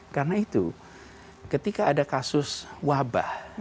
karena itu ketika ada kasus wabah